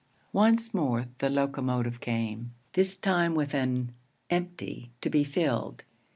Once more the locomotive came, this time with an 'empty' to be filled.